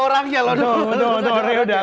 orangnya loh udah udah udah